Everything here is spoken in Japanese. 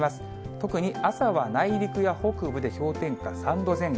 特に、朝は内陸や北部で氷点下３度前後。